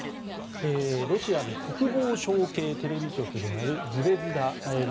ロシアの国防省系テレビ局であるズベズダが